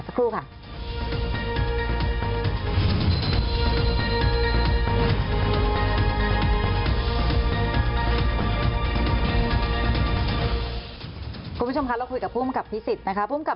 คุณผู้ชมเราคุยกับพูดกับพิสิทธิ์สวัสดีค่ะ